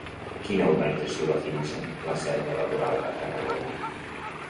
Quina organització va finançar La selva laboral a Tarragona?